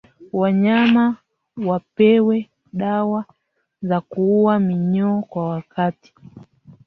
Wanyama wapewe dawa za kuuwa minyoo kwa wakati